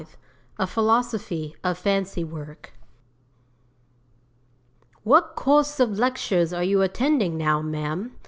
V A PHILOSOPHY OF FANCY WORK '"What course of lectures are you attending now, ma'am?"